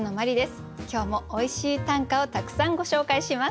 今日もおいしい短歌をたくさんご紹介します。